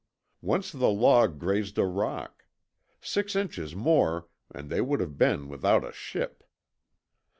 Once the log grazed a rock. Six inches more and they would have been without a ship.